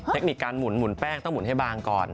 เทคนิคการหมุนแป้งต้องหุ่นให้บางก่อน